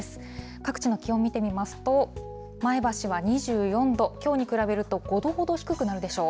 各地の気温見てみますと、前橋は２４度、きょうに比べると５度ほど低くなるでしょう。